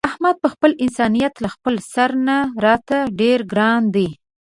احمد په خپل انسانیت له خپل سر نه راته ډېر ګران دی.